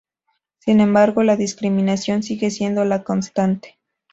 Sin embargo la discriminación sigue siendo la constante.